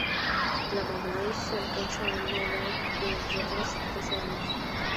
La madurez se alcanza a una edad de entre dos y tres años.